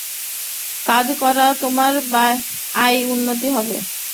কাজ করা, তোমার আয়-উন্নতি হবে।